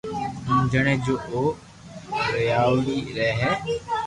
ھون جڻي جو او رييايوڙي رھي ھيي